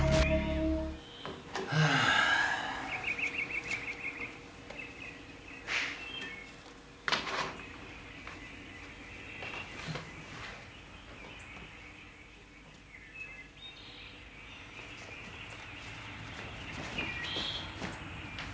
kau tahu tiga hal